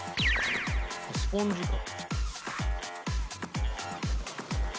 スポンジか。